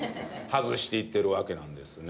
外していってるわけなんですね。